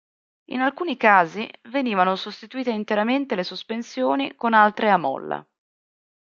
In alcuni casi venivano sostituite interamente le sospensioni con altre a molla.